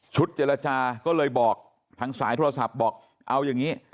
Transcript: เจรจาก็เลยบอกทางสายโทรศัพท์บอกเอาอย่างนี้